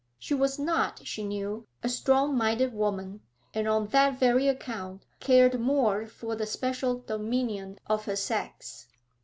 She was not, she knew, a strong minded woman, and on that very account cared more for the special dominion of her sex.